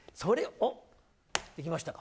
おっ、できましたか。